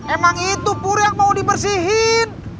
emang itu pur yang mau dibersihin